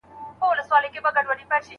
شاګرد د خپلي څېړني لپاره نوي ماخذونه لټول.